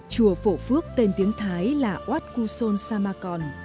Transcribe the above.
chùa phổ phước tên tiếng thái là wat kuson samakon